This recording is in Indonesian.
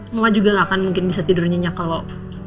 mama juga gak akan mungkin bisa tidur nyenyak kalau